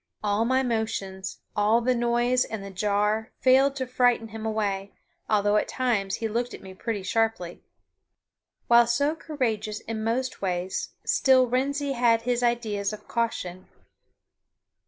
All my motions, all the noise and the jar failed to frighten him away, although at times he looked at me pretty sharply. While so courageous in most ways, still Wrensie had his ideas of caution.